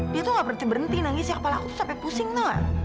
dia tuh gak berhenti berhenti nangisnya kepala aku tuh sampe pusing tuh